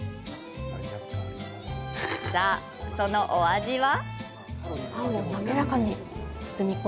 さあ、そのお味は？